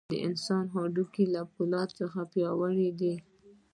د انسان هډوکي له فولادو څخه هم پیاوړي دي.